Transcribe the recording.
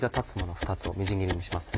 ２つをみじん切りにしますね。